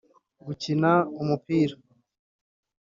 gukina umupira